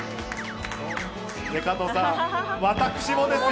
加藤さん、私もですよ！